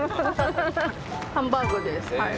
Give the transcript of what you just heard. ハンバーグですはい。